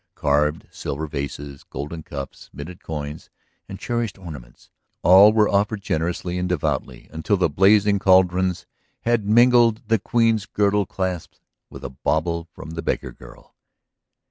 Carved silver vases, golden cups, minted coins and cherished ornaments, all were offered generously and devoutly until the blazing caldrons had mingled the Queen's girdle clasps with a bauble from the beggar girl.